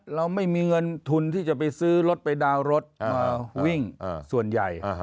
เราไม่มีเงินทุนที่จะไปซื้อรถไปดาวน์รถมาวิ่งส่วนใหญ่